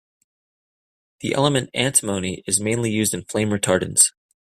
The element antimony is mainly used in flame retardants.